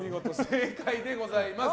正解でございます。